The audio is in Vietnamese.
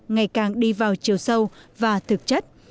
ngày càng đi vào chiều sâu và thực chất